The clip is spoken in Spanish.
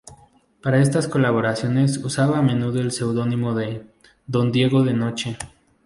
Para estas colaboraciones usaba a menudo el seudónimo "Don Diego de Noche".